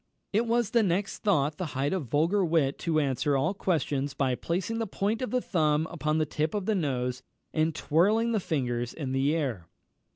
It was next thought the height of vulgar wit to answer all questions by placing the point of the thumb upon the tip of the nose, and twirling the fingers in the air.